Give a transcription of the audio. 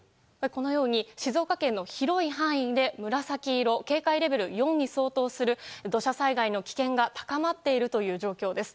このように静岡県の広い範囲で紫色警戒レベル４に相当する土砂災害の危険が高まっているという状況です。